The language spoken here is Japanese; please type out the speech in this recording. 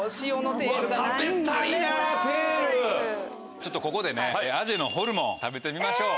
ちょっとここでねアジェのホルモン食べてみましょう。